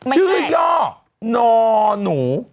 ชื่อย่อนอนู